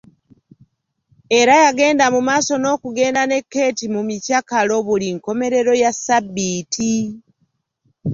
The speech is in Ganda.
Era yagenda mu maaso n’okugenda ne Keeti mu mikyakalo buli nkomerero ya ssabbiiti.